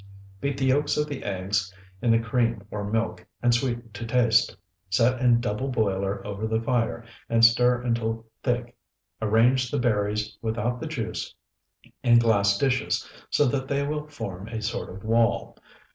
Beat the yolks of the eggs in the cream or milk, and sweeten to taste. Set in double boiler over the fire, and stir till thick. Arrange the berries without the juice in glass dishes, so that they will form a sort of wall.